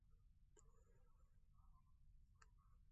Nu, kur šīs varas partijas ir pašreiz?